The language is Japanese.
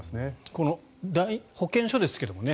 この保健所ですけどね。